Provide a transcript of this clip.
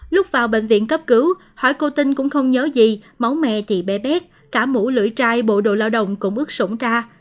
lúc vào bệnh viện cấp cứu hỏi cô tinh cũng không nhớ gì máu mẹ thì bé bét cả mũ lưỡi chai bộ đội lao động cũng bước sủng ra